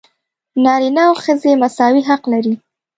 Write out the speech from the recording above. نارینه او ښځې مساوي حق لري.